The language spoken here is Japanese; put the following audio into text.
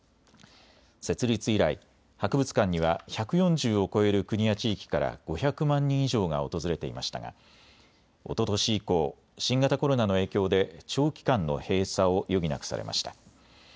設立以来、博物館には１４０を超える国や地域から５００万人以上が訪れていましたがおととし以降、新型コロナの影響で長期間の閉鎖を余儀なくされました。